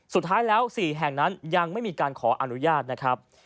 สุดท้ายแล้ว๔แห่งนั้นยังไม่มีการขออนุญาตนะครับ